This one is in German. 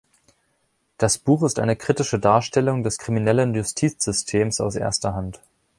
Das Buch ist eine kritische Darstellung des kriminellen Justizsystems aus erster Hand.